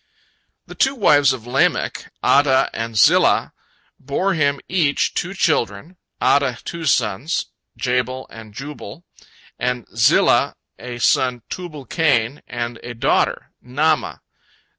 The two wives of Lamech, Adah and Zillah, bore him each two children, Adah two sons, Jabal and Jubal, and Zillah a son, Tubal cain, and a daughter, Naamah.